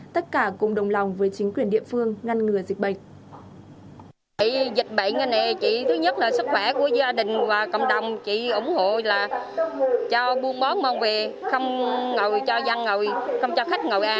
tất cả cùng đồng lòng với chính quyền địa phương ngăn ngừa dịch bệnh